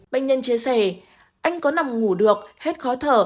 bệnh nhân chia sẻ anh có nằm ngủ được hết khó thở